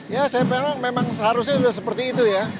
ya saya memang seharusnya sudah seperti itu ya